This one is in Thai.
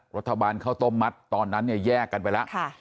รัฐบาลเข้าต้มมัดตอนนั้นแยกกันไปแล้ว